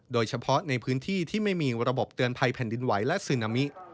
โดยเฉพาะในพื้นที่ที่ไม่มีระบบเตือนภัยแผ่นดินไหวและซึนามิ